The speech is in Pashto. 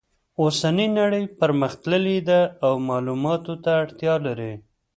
اوسنۍ نړۍ پرمختللې ده او معلوماتو ته اړتیا لري